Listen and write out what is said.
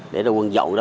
để ra quân rộng ra